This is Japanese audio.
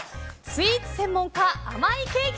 スイーツ専門家